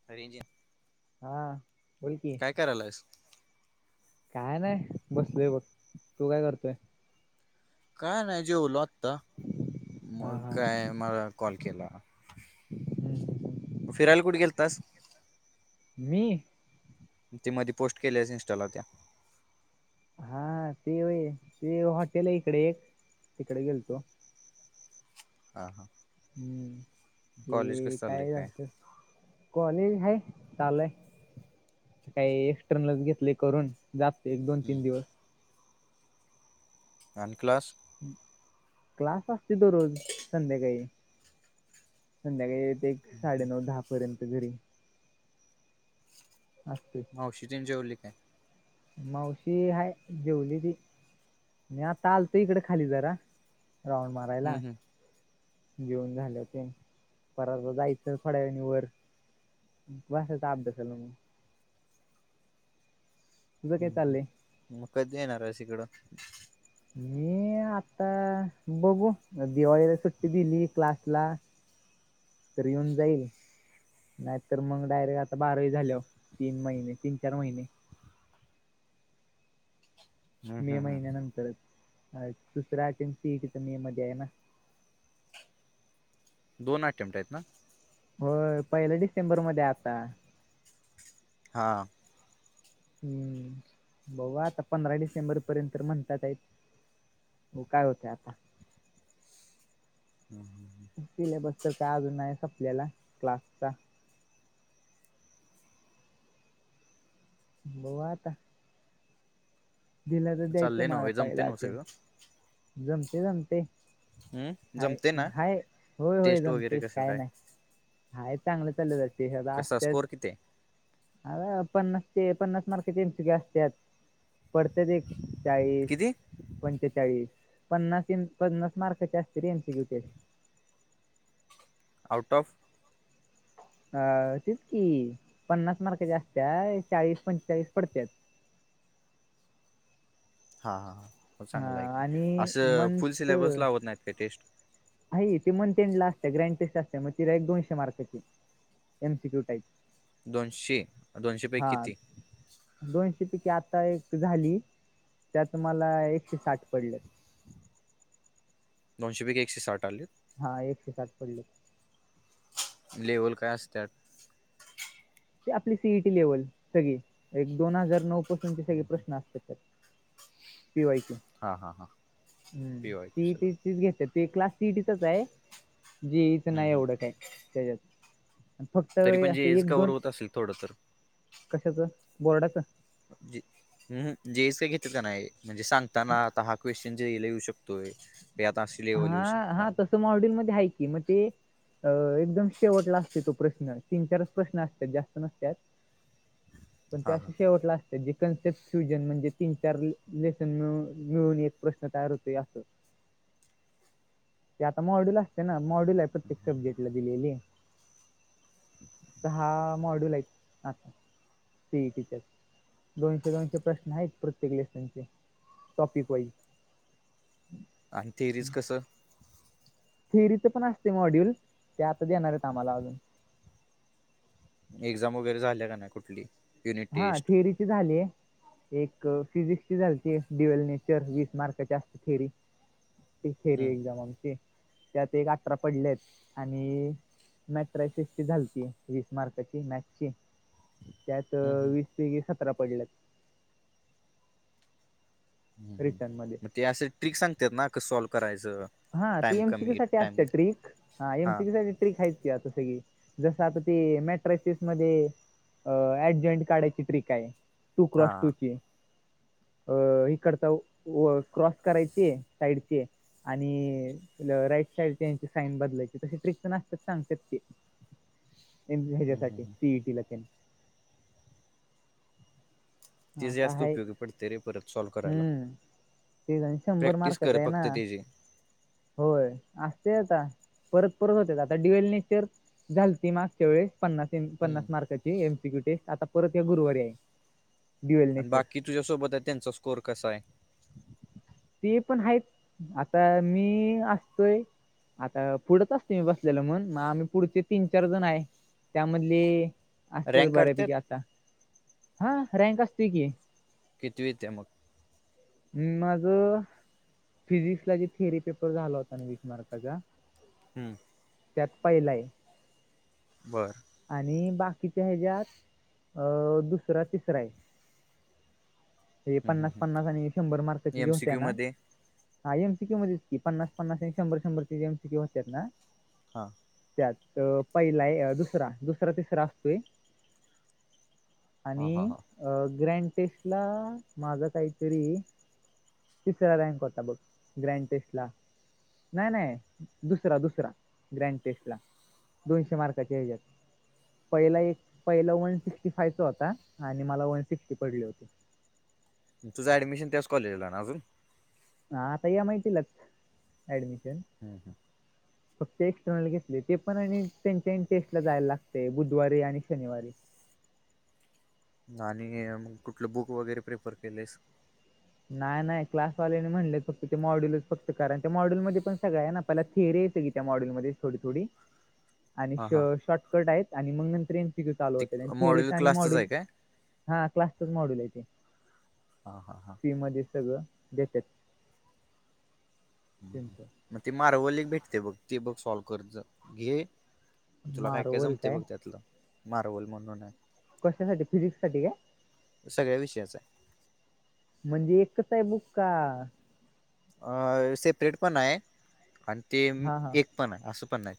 [unintelligible] हा बोलकी काय करायलायस काय नाही बसलोय बघ तू काय करतोय? काय नाय जेवलो आत्ता हा मग हा. हम्म काय मला कॉल केला. हम्म हम् फिरायला कुठे गेलतास? मी ती मध्ये पोस्ट केल्यास इंस्टाला त्या हा ते व्हय ते हॉटेल आहे इकडे एक तिकडे गेलतो हा हा हम्म कॉलेज ते कसं चाललंय काय झालतं कॉलेज हाय चालू हाय काय एक्स्टर्नल घेतले करून जातोय एक दोन तीन हम्म. दिवस आणि क्लास क्लास असतोय दरोज संध्याकाळी संध्याकाळी येतोय एक साडेनऊ दहा पर्यंत घरी असतोय मावशी तेन जेवली काय? मावशी हाय जेवली ती मी आता आलतो इकडे खाली जरा राऊंड मारायला हम्म हम्म जेऊन झालं ते... परत जायचं थोड्या वेळाने वर बसायचं आभासाला मग तुझं काय हम्म चाललंय हम्म... मग कधी येणार हेस इकडं? मी आता बघू.... दिवाळीला सुट्टी दिली... क्लासला तर येऊन जाईल नाही तर मग... डायरेक्ट आता बारावी झाल्यावर... तीन महिने... तीन चार महिने हम्म मे हम्म हम्म महिन्यानंतरच... दुसरा अटेम्प्ट सीएटीचा मे मध्ये हाये ना दोन अटेम्प्ट हेत ना होय... पहिला डिसेंबरमध्ये आता हां हम्म... बघू आता... पंधरा डिसेंबर पर्यंत म्हणतात हेत बघू काय होतं आता हं सिलेबस तर काय अजून नाही संपलेला... क्लासचा बघू आता दिला तर द्यायचं चाललंय मग... नव्ह जमते पाहिला नव्ह अटेम्प्ट... सगळं जमते.. जमतेय हम्म हाय जमते ना हाय... होय होय... टेस्ट वगैरे जमतेय... कसं काय नाय हाय चांगलं चाललं... ते ह्याचं कसा असत्यात स्कोअर किती आहे आरं... पन्नास... ते पन्नास मार्काचे एन सी क्यु असत्यात पडत्यात... एक चाळीस किती पंचेचाळीस... पन्नास... पन्नास मार्काची असते रे एनसीक्यू टेस्ट आउट ऑफ अ.. तेच कि... पन्नास मार्काच्या अस्त्या... चाळीस.. पंचेचाळीस पडत्यात हां हां... हो हा चांगलं हाय की... आणि असं फुल मंथ सिलेबस लावत नाहीत काय टेस्ट न्हायी... ती मंथ एंडला असते... ग्रँड टेस्ट असते... मग ती एक दोनशे मार्काची एन सी क्यू टाईप दोनशे... दोनशे पैकी हा किती? दोनशे पैकी आता एक झाली... त्यात मला एकशे साठ पडले दोनशे पैकी एकशे साठ आले? हा... एकशे साठ पडले लेवल काय असत्यात? ते आपली सीईटी लेवल... सगळी.. एक दोन हजार नऊ पासूनचे सगळे प्रश्न असत्यात त्याच्यात पि वाय क्यू... हा हा हा हम्म पी वाय क्यू सी इ सगळं टी घेतात ते... क्लास सीएटीचाच हाय... जीएचं हम्म, नाई हम्म. एवढं काय त्याच्यात आणि फक्त तरी पण... असं जीए चं एक कव्हर दोन होत असल... थोडं तर कशाचं बोर्डाचं ऊहू.. जीएचं घेतलं का नाई... म्हणजे सांगताना... आता हा क्वेश जेई ला येऊ शकतोय... ह्यात असं हा... हा... तसं मॉडेलमध्ये हाय की... मग ते अ... एकदम शेवटला असतो तो प्रश्न... तीन चारच प्रश्न असत्यात... जास्त नसत्यात पण ते हा हा असं शेवटला अस त्याचं कनसेप्ट फ्युजन म्हणजे... तीन चार... लेसन मिळ... मिळून एक प्रश्न तयार होतोय असं ते आता मॉड्युल असते ना... मॉड्युल आहे... प्रत्येक सब्जेक्टला दिलेली दहा मॉड्यल हेत... आ सीईटीच्या दोनशे दोनशे प्रश्न हायेत... प्रत्येक लेसनचे.... टॉपिक वाईज आणि थेरीचं कसं थेअरीचं पण असतं मॉड्युल... ते आता देणार हेत आम्हाला अजून एक्झाम वगैरे झाल्या का नाई कुठली युनिट हा टेस्ट थिअरीची झालीय एक फिजिक्स ची झालती डिवेल नेचर वीस मार्काची जास्त थेरी ती थेरी हम्म, एझ्माम आमची त्यात एक अठरा पडलेत आणि मॅट्रासिस ची झालती वीस मार्काची मॅथ्स ची हम्म, हम्म, वीस पैकी सतरा पडल्यात ह रिटर्न मध्ये मग ते असं ट्रिक सांगत्यात ना कस सॉल्व करायचं हा ती टाइम एम सी क्यू कमी साठी असते टाइममध्ये ट्रिक हा हां एमसीकी साठी ट्रिक आहेच की आता सगळी जस आता ते मॅट्रासिस मध्ये अ ऍडजॉइंट काढायची ट्रिक आहे टू क्रास हां टूची अ इकड तर क्रॉस करायची साईडची आणि राईट साईडची साईन बदलायची तसे ट्रिक पण असतेत सांगतात की ह्याच्यासाठी सीईटीला तेन ति जे आता जास्त हाय उपयोगी पडतय रे परत सॉल्व करायला. हम्म ते नाही शंभर प्रॅक्टिस मार्काच कर आहे ना फक्त त्याची होय असते आता. परत परत होतेत आता डिवेल नेचर झालती मागच्या वेळेस पन्नास पन्नास हम्म मार्काची एमसीक्यू टेस्ट आता परत या गुरुवारी आहे. ड्युएल आणि नेचर बाकी तुझ्यासोबत आहे त्यांचा स्कोर कसा आहे? ते पण आहेत आता मी असतोय आता पुढच असतोय मी बसलेलं म्हण मग आम्ही पुढचे तीन चार जण आहे. त्यामधले असते रँक काढतात बऱ्यापैकी आता हा रँक असतो की. कितवीत आहे मग? माझ फिजिक्स आणि थिअरी पेपर झाला होता ना वीस मार्काचा. हम्म. त्यात पाहिलाय. बरं. आणि बाकीच्या ह्याच्यात अ दुसरा तिसरा आहे. हे पन्नास पन्नास आणि शंभर मार्काची जी एम सी होत्या क्यू ना मध्ये हा एमसीक्यू मध्येच की पन्नास पन्नास आणी शंभर शंभरचे एमसीक्यू होतात ना हा. त्यात अ पहिलाय दुसरा दुसरा तिसरा असतोय. हा आणि हा हा अ ग्रँटेस्ट ला माझा काहीतरी तिसरा रँक होता बघ ग्रँड टेस्ट ला. नाही नाही दुसरा दुसरा ग्रँड टेस्ट ला दोनशे मार्काचे हेजात. पहिला एक पहिला वन सिक्स्टी फायचा होता आणि मला वन सिक्स्टी पडले होते. तुझं ऍडमिशन त्याच कॉलेजला ना अजून? हा आता एम आय टी लाच ऍडमिशन. ह ह. ह [unintelligible] [inaudible] फक्त एक्स्टर्नल घेतले ते पण आणि त्यांच्या इ टेस्ट ला जायला लागते बुधवारी आणि शनिवारी. आणि कुठलं बुक वगैरे प्रेफर केलयस? नाही नाही क्लासवाल्याने म्हणले फक्त ते मॉड्यलच फक्त कारण त्या मॉड्यलमध्ये पण सगळं आहे ना. पहीला थेरी येते की त्या मॉडेलमध्ये थोडी थोडी आणि हा श हा शॉर्टकट आहेत आणि मग नंतर एन पिक्यू चालू ते होते आणि मॉडेल थिअरीचा आणि क्लासचंच मॉडेल आहे काय हा क्लासचच मॉडेल आहे ते. हा हा हा. फी मध्ये सगळ देतात? त्यानंच मग ते मारवल एक भेटते बघ ते बघ सॉल्व करत जा घे तुला काय काय जमते बघ त्यातलं मार्वल म्हणून आहे क्शासाठी फिजिक्स साठी काय? ते सगळ्या विषयाच आहे. म्हणजे एकच आहे बुक का? अ सेपरेट पण हाय आणि ते हा हा एक पण हाय असं पण हाय.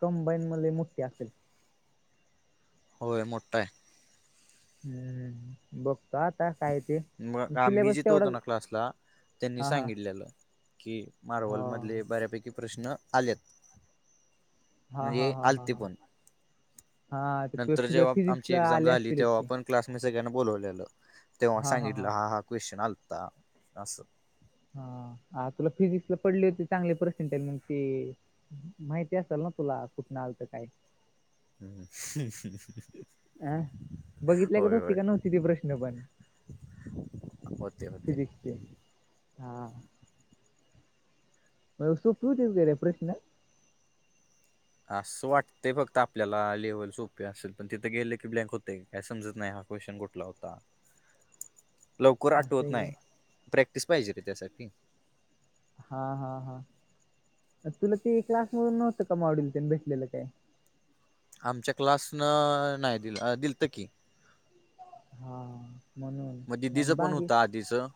कंबाईन म लय मोठी असेल. होय मोठठा हाय. हम्म बघतो आता काय ते मग आम्ही सिलेबस जिथं तेवढा होतो ना क्लासला त्यांनी हा हा सांगितलेलं. कि मारवल हा मधले बऱ्यापैकी प्रश्न आल्यात. म हा हा हे हा हा आलते हा पण हा ते तु- नंतर तुला जेव्हा आमची फिजिक्सला एक्झाम आले झाली असतीलच तेव्हा की पण क्लास मधे सगळ्यांना बोलवलेलं तेव्हा सांगितलं हा हा क्वेशन आलता असं हा तुला फिजिक्सला पडले होते चांगले पर्सेंटेज मग ते माहिती असेल ना तुला कुठं आलत काय. हम्. अह बघितल्या गत होती का नव्हती ते प्रश्न पण. होतेे होते. फिजिक्सचे हा. मग सोपी होतीत का रे प्रश्न. असं वाटत फक्त आपल्याला लेव्हल सोपे असेल पण तिथं गेले की ब्लँक होतयं. काय समजत नाही हा क्वेशचन कुठला होता. [unintelligible] लवकर असं आठवत आहे नाही का? प्रॅक्टिस पाहिजे रे त्यासाठी. हा हा हा तुला ते क्लासमधून नव्हतं मॉडेल तेन भेटलेलं काय. आमच्या क्लासनं नाही दिल अ दिलतं की हा मग म्हणून दिदीचं आणि पण बाकी होत आधीचं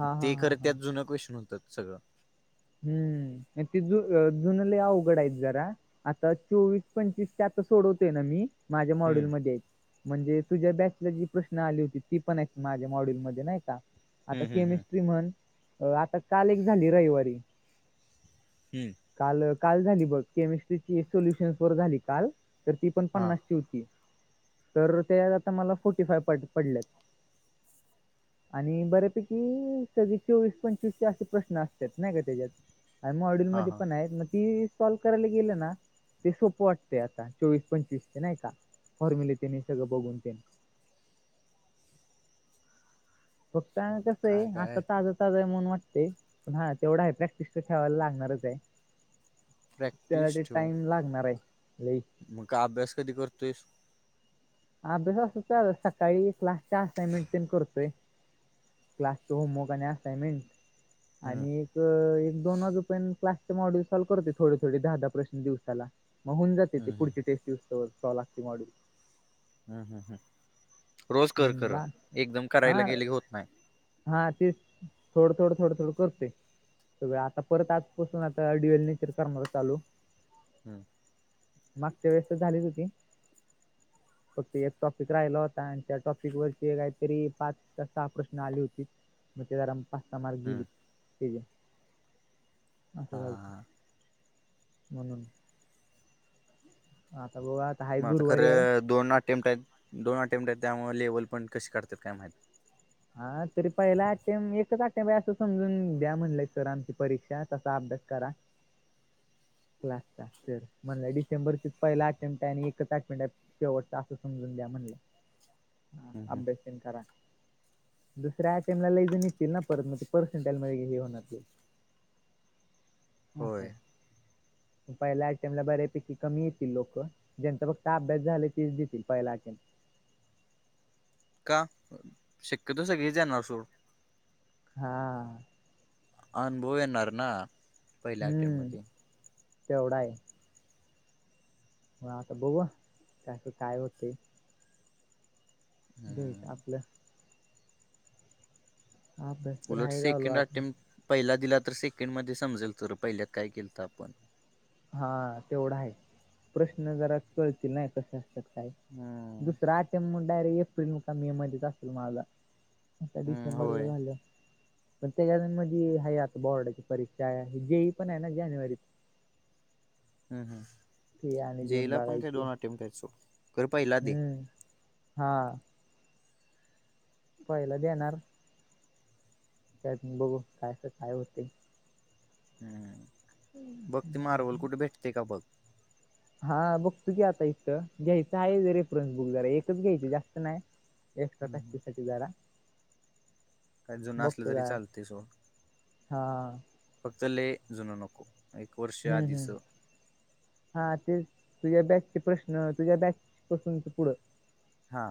हा हा ते हा खरं त्यात हा जुनं क्वेशन होतं सगळं हम्म ते ज अ जुन लई अवघड आहेत जरा आता चोवीस पंचवीस ते आता सोडवते ना मी माझ्या हम्म मॉड्युलमध्ये हाईत. म्हणजे तुझ्या बॅचला जी प्रश्न आली होती ती पण आहेत माझ्या मॉड्यूलमध्ये नाही का. आता हम्म हम्म हम्म केमिस्ट्री म्हण आता काल एक झाली रविवारी. हम्म काल काल झाली बघ केमिस्ट्रीची सोल्युशन्स वर झाली काल. तर ती पण हा पन्नासची होती तर त्या त आता मला फोर्टी फाय पडल्यात आणि बऱ्यापैकी सगळे चोवीस पंचवीस चे असे प्रश्न असतात नाही का त्याच्यात आणि हा मॉडलमध्ये हा. पण आहेत मग ती सॉल्व करायला गेलं ना ते सोपं वाटते आता चोवीस पंचवीस चे नाही का फॉर्म्युले ते हे सगळं बघून तेन फक्त कसं आहे काय आता काय ताजं ताज आहे म्हणून वाटतयं पण हा तेवढा आहे प्रॅक्टिस तर थेवायला लागणारच आहे. प्रॅक्टिस त्यासाठी ठेव. टाइम लागणार आहे लई. मग का अभ्यास कधी करतोयंस. अभ्यास असच चालू हाय सकाळी क्लासच्या असाइनमेंट तेन करतोय. क्लासचं होमवर्क आणि असाइन्मेंट हम्म आणि एक एक दोन वाजूपर्यंत क्लासचे मॉडूल सॉल्व करतोय थोड थोड दहा दहा प्रश्न दिवसाला. मग होऊन जातय ते हम्म हम्म. पुढची टेस्ट इऊस तवर सॉल्व असतय मॉडेल हम्म हम्म हम्म रोज कर हम्म खर बा एकदम करायला हा गेले की होत नाही. हा तेच थोड थोड थोडं थोडं करतोय. सगळं आता परत आजपसून आता डडी. डू एल नेचर करणार चालू हम्म मागच्या वेळेस तर झालीच होती फक्त एक टॉपिक राहिला होता आणि त्या टॉपिकवरचे काहीतरी पाच का सहा प्रश्न आले होती मग ते जरा पाच सहा मार्क गेलीत हम्म. तेज असं हा हा. झालत. हा. म्हणून हाता ब मग आता खरं दोन अटेम्प्ट आहेत दोन अटेम्प्ट आहेत त्यामु लेवल पण कशी काढतात काय माहत. हा तरी पहिला आठे एकच आठेबा असं समजून द्या म्हणलंय सर आमची परीक्षा तसा अभ्यास करा. क्लास सर म्हणलं डिसेंबर पहिला अटेमप्ट आहे आणि एकच अटे शेवटत असं समजून द्या म्हणलं ह हम्म हम्म. अभ्यास करा. दुसऱ्या अटेमला लैजन येतील ना परतज ते पर्सेंटेजध्ये हे होणार. ह होय. पहिला आ टामला बऱ्यापैकी कमी येतील लोक ज्यांचा फक्त अभ्यास झालाय तेच देतील पहिला आखेन का शक्यतो सगळीच येणार सोड- हा. अनुभव येणार ना. पहिल्या अटेम्प्ट हम्म मध्ये तेवढा आहे. म आता बघ त्याचं काय होते. ज हम्म आपलं अभ्यास तर उलट हाय चालू सेकंड आता अटेम्ट पहिला दिला तर सेकंड मध्ये समजेल तर पहिल्यात काय केलं तर आपण. हा तेवढा आहे प्रश्न जरा कळतील नाही कस हम्म दुसरा अटेम म्हडरे एप्रिल का मे मध्येच असेल माझा आता हम्म डिसेंबर ला होय झालं. पण त्याच्या म्हणजी हाय आता बोर्डाची परीक्षा आहे जीई पण आहे ना जानेवारी. हम् ते आणि हम् देऊन जीईला पण काय बघायची दोन अटेन्ट आहेत सोड खरं पहिला दे हम्म हा पहिला देणार. त्यात बघू काय अस काय होतय. हम् बघ ते मार्वल कुठे भेटतय का बघ. हा बघतू की आता इथं घ्यायचं आहे रेफरन्स बुक जरा एकच घ्यायची जास्त नाही. एकक्ट्रा हम्म कस्ती साठी जरा काय जुनं असलं बघतो तरी जरा चालते सोड हा फक्त लय जुनं नको. एक वर्ष हम्म हम्म. आधीच हा ते तुझ्या बॅचचे प्रश्न तुझ्या बॅच पासूनचं पुढं हा.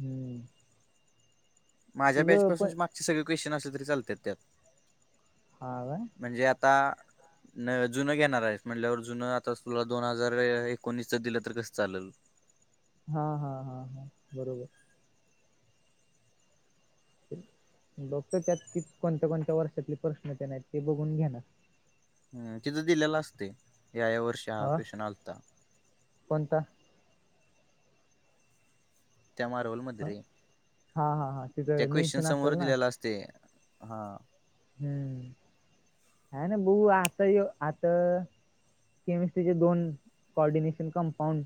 हम्म. माझ्या बॅच तुझं पण पासूनची मागचे सगळे क्वेश्चन असले तरी चालत्यात त्यात हा काय. म्हणजे आता. न जुनं घेणार आहेस म्हटल्यावर जुनं आता तुला दोन हजार एकोणीसच दिलं तर कसं चालेल. हा हा हा हा बरोबर. बघतो त्यात कित कोणत्या कोणत्या वर्षातले प्रश्न तेन आहेत ते बघून घेणार. ह तिथं दिलेला असते या या वर्षी हा क्वेश्चन आलता. कोणता? त्या मार्वल मध्ये हा रे हा हा हा, त्या तिथं क्वेश्चन मेन्शन असेल समोर ना दिलेला असतय हा. हम आहे ना भाऊ आता ह्ये आत केमिस्ट्रीचे दोन कॉऑर्डिनेशन कंपाऊंड.